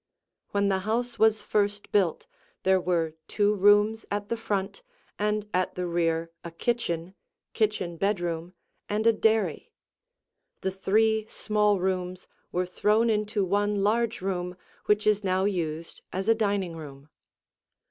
When the house was first built, there were two rooms at the front and at the rear a kitchen, kitchen bedroom, and a dairy. The three small rooms were thrown into one large room which is now used as a dining room.